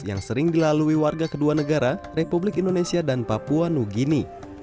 yang sering dilalui warga kedua negara republik indonesia dan papua new guinea